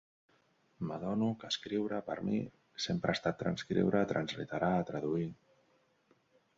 M'adono que escriure, per a mi, sempre ha estat transcriure, transliterar, traduir.